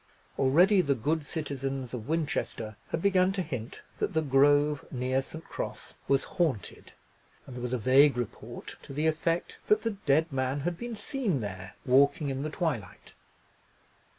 Already the good citizens of Winchester had begun to hint that the grove near St. Cross was haunted; and there was a vague report to the effect that the dead man had been seen there, walking in the twilight.